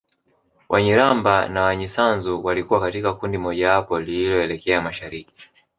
Wanyiramba na Wanyisanzu walikuwa katika kundi mojawapo lililoelekea mashariki